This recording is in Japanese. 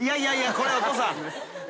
これお父さん